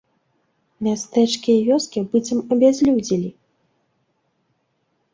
Мястэчкі і вёскі быццам абязлюдзелі.